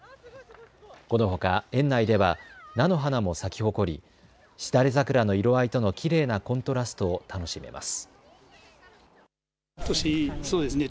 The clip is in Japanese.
このほか園内では菜の花も咲き誇りシダレザクラの色合いとのきれいなコントラストを楽しめます。